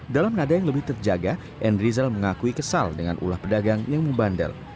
dalam nada yang lebih terjaga n rizal mengakui kesal dengan ulah pedagang yang membandel